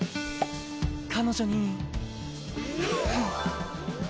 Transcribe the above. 彼女に。